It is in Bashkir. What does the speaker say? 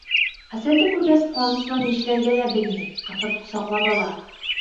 Хәсәнде күргәс, ҡыуанысынан нишләргә лә белмәй, ҡыҫып ҡосаҡлап ала.